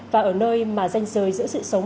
và ở nơi mà danh sời giữa sự sống